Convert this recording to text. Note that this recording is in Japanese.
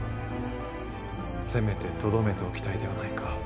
せめてとどめておきたいではないか。